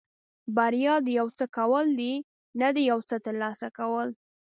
بریا د یو څه کول دي نه د یو څه ترلاسه کول.